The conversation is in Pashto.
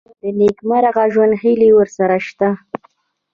د نېکمرغه ژوند هیلې ورسره شته.